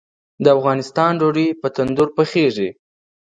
د افغانستان ډوډۍ په تندور پخیږي